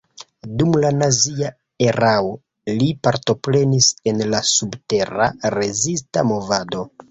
Dum la nazia erao li partoprenis en la subtera rezista movado.